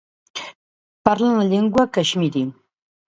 Parlen la llengua caixmiri.